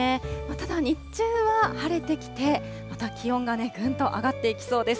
ただ、日中は晴れてきて、また気温がぐんと上がっていきそうです。